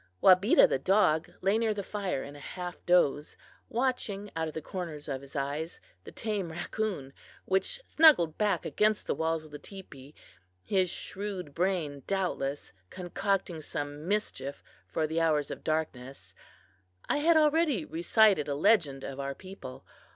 Wabeda, the dog, lay near the fire in a half doze, watching out of the corners of his eyes the tame raccoon, which snuggled back against the walls of the teepee, his shrewd brain, doubtless, concocting some mischief for the hours of darkness. I had already recited a legend of our people.